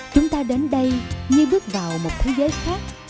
chúng ta đến đây như bước vào một thế giới khác